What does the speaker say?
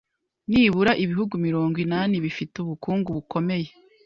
Nibura ibihugu mirongo inani bifite ubukungu bukomeye,